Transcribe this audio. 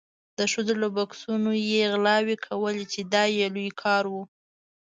د ښځو له بکسونو یې غلاوې کولې چې دا یې لوی کار و.